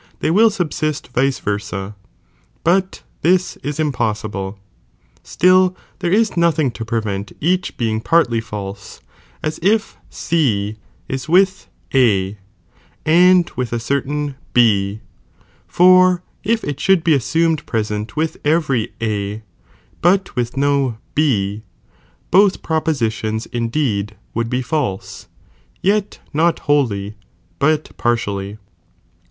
they will subsist vice veraii, but this is impossible.' Slill there is nothing to prevent each being partly false, as if C is with A, and with a certwn B ; for if it should be assumed present with every A, but with no B, both propositions in deed would be false, yet not wholly, but partially.